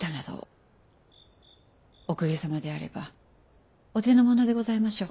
お公家様であればお手の物でございましょう？